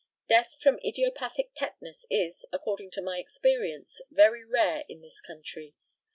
Death from idiopathic tetanus is, according to my experience, very rare in this country.